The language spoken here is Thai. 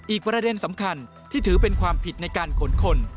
อีกประเด็นสำคัญที่ถือเป็นความผิดในการขนคน